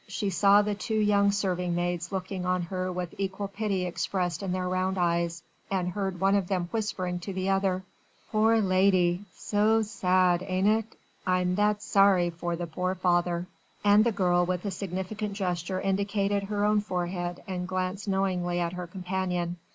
she saw the two young serving maids looking on her with equal pity expressed in their round eyes, and heard one of them whispering to the other: "Pore lady! so zad ain't it? I'm that zorry for the pore father!" And the girl with a significant gesture indicated her own forehead and glanced knowingly at her companion.